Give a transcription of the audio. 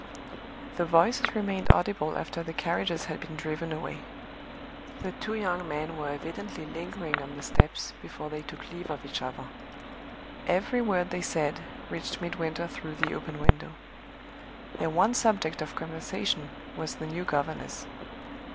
The voices remained audible after the carriages had been driven away; the two young men were evidently lingering on the steps before they took leave of each other. Every word they said reached Midwinter through the open window. Their one subject of conversation was the new governess.